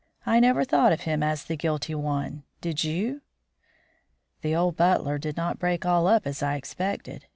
I never thought of him as the guilty one, did you?" The old butler did not break all up as I expected.